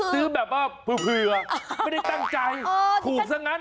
ซื้อแบบไม่ได้ตั้งใจถูกซะงั้น